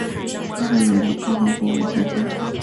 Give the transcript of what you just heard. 中华人民共和国文学家。